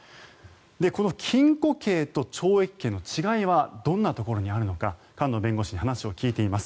この禁錮刑と懲役刑の違いはどんなところにあるのか菅野弁護士に話を聞いてみます。